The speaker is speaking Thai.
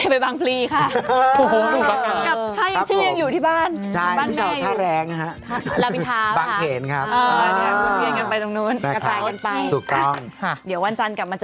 ไปเทือกตั้งก่อนตอนเช้า